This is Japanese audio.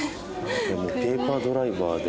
ペーパードライバーで。